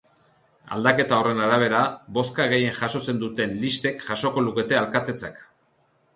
Aldaketa horren arabera, bozka gehien jasotzen duten listek jasoko lukete alkatetzak.